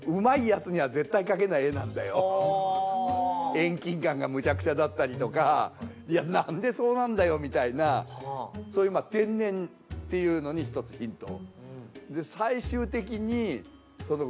遠近感がむちゃくちゃだったりとかいやなんでそうなるんだよみたいなそういうまあっていうのに１つヒントを。